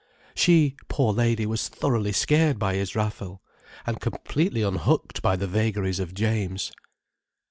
She, poor lady, was thoroughly scared by Israfel, and completely unhooked by the vagaries of James.